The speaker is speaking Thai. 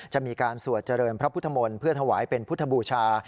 จะมีการสวดเจริญพระพุทธมนตร์เพื่อถวายเป็นพุทธบูชา